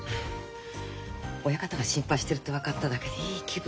親方が心配してるって分かっただけでいい気分。